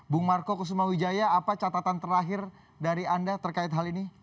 bung marco kusuma wijaya apa catatan terakhir dari anda terkait hal ini